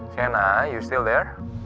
sienna kamu masih di sana